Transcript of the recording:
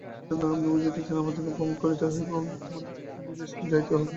সুতরাং আপনি বুঝিতেছেন, আমাদিগকে ভ্রমণ করিতেই হইবে, আমাদিগকে বিদেশে যাইতেই হইবে।